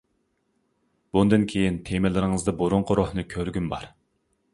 بۇندىن كېيىن تېمىلىرىڭىزدا بۇرۇنقى روھنى كۆرگۈم بار!